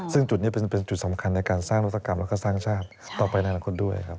ซึ่งจุดนี้เป็นจุดสำคัญในการสร้างนวัตกรรมแล้วก็สร้างชาติต่อไปในอนาคตด้วยครับ